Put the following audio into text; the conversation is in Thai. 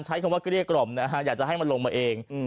ใช้คำว่าเกลี้ยกล่อมนะฮะอยากจะให้มันลงมาเอง